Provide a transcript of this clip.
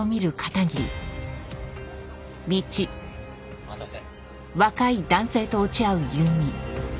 お待たせ。